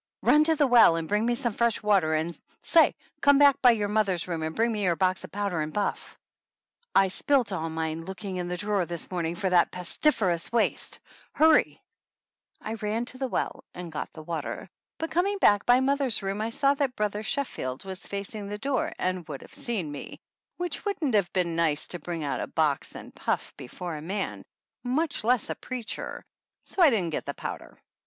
Run to the well and bring me some fresh water, and, say, come back by your mother's room and bring me her box of powder and puff. I spilt all of mine looking in the drawer this morning for that pestiferous waist. Hurry !" 63 THE ANNALS OF ANN I ran to the well and got the water, but com ing back by mother's room I saw that Brother Sheffield was facing the door and would have seen me, which wouldn't have been nice to bring out a box and puff before a man, much less a preacher, so I didn't get the powder.